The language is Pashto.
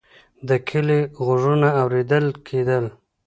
د کلي غږونه اورېدل کېدل.